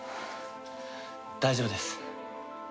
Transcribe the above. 大丈夫です。